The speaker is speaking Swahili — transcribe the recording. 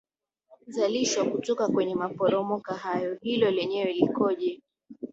zalishwa kutoka kwenye maporomoka hayo hilo lenyewe likoje